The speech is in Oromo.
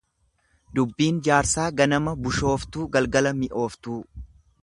Dubbiin jaarsaa ganamaa bushooftuu galgala mi'ooftuu.